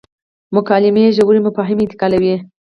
مکالمې ژور مفاهیم انتقالوي.